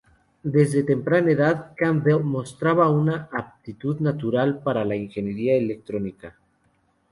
Desde temprana edad, Campbell mostraba una aptitud natural para la ingeniería y electrónica.